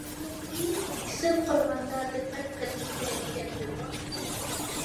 ئىسىم قويغاندا دىققەت قىلىش كېرەككەن جۇمۇ.